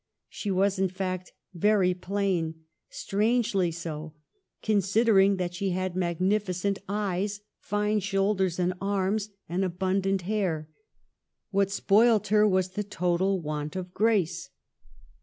She was, in fact, very plain, strangely so, considering that she had magnificent eyes, fine shoulders and arms, and abundant hair. What spoilt her was the total want of grace.